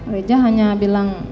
reja hanya bilang